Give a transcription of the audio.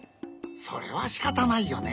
それはしかたないよね。